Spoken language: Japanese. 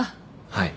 はい。